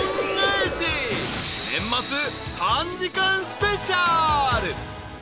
［年末３時間スペシャル］